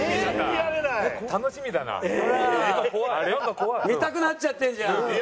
見たくなっちゃってるじゃん。